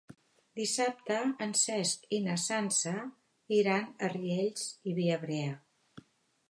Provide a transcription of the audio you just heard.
Dissabte en Cesc i na Sança iran a Riells i Viabrea.